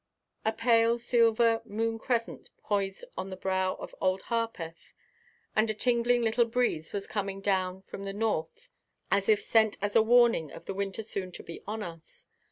A pale silver moon crescent poised on the brow of Old Harpeth and a tingling little breeze was coming down from the north as if sent as a warning of the winter soon to be upon us.